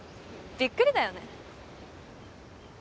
びっくりだよね。